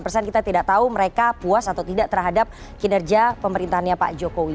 lima puluh persen kita tidak tahu mereka puas atau tidak terhadap kinerja pemerintahnya pak jokowi